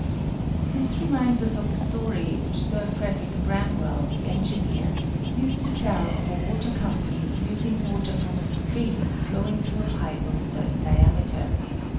This reminds us of a story which Sir Frederick Bram well, the engineer, used to tell of a water company using water from a stream flowing through a pipe of a certain diameter.